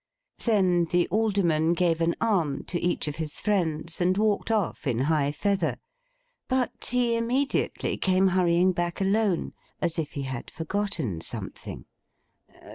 Then the Alderman gave an arm to each of his friends, and walked off in high feather; but, he immediately came hurrying back alone, as if he had forgotten something.